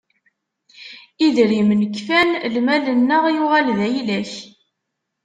Idrimen kfan, lmal-nneɣ yuɣal d ayla-k.